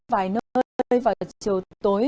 vài nơi vào chiều tối